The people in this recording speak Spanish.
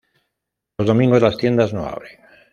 Los domingos las tiendas no abren.